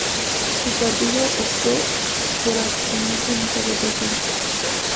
Su partido optó por abstenerse en esta votación.